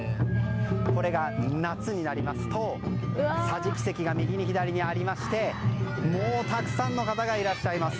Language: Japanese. これが夏になりますと桟敷席が右に左にありましてたくさんの方がいらっしゃいます。